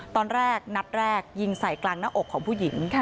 ตอนแรกนัดแรกยิงใส่กลางหน้าอกของผู้หญิง